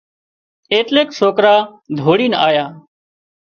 ايٽليڪ سوڪرا ڌوڙينَ آيا